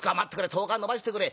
『１０日延ばしてくれ』